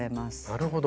なるほど。